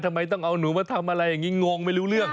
ทำไมต้องเอาหนูมาทำอะไรอย่างนี้งงไม่รู้เรื่อง